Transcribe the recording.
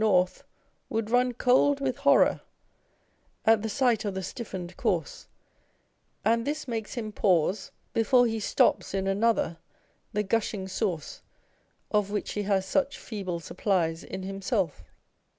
North would run cold with horror at the sight of the stiffened corse, and this makes him pause before he stops in another the gushing source, of which he has such feeble supplies in himself.